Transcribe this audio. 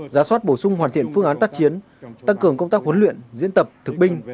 giá soát bổ sung hoàn thiện phương án tác chiến tăng cường công tác huấn luyện diễn tập thực binh